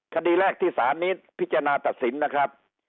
คดีแรกที่สารนี้พิจารณาตัดสินนะครับ